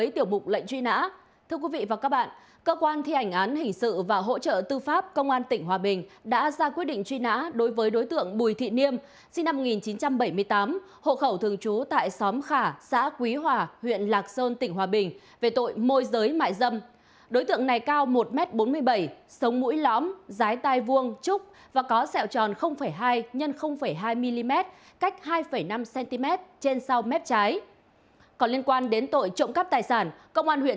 tiếp theo quý vị và các bạn nhớ đăng ký kênh để ủng hộ kênh của chúng mình nhé